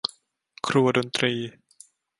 ครัวดนตรี